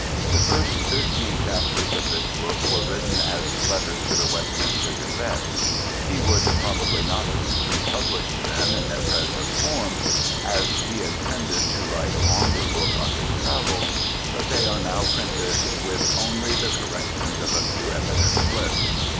The first thirteen chapters of this book were written as letters to the Westminster Gazette. He would probably not have republished them in their present form, as he intended to write a longer book on his travels; but they are now printed with only the correction of a few evident slips.